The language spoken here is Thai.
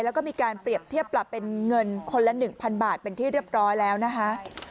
แล้วก็มีการเปรียบเทียบปรับเป็นเงินคนละ๑๐๐บาทเป็นที่เรียบร้อยแล้วนะคะ